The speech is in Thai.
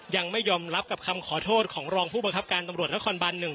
ยังไม่ยอมรับกับคำขอโทษของรองผู้บังคับการตำรวจนครบัน๑